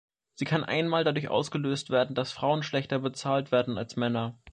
Sie kann einmal dadurch ausgelöst werden, dass Frauen schlechter bezahlt werden als Männer.